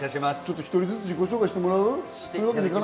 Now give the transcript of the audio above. １人ずつ自己紹介してもらう？